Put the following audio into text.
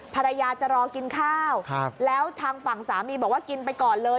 ภรรยาจะรอกินข้าวแล้วทางฝั่งสามีบอกว่ากินไปก่อนเลย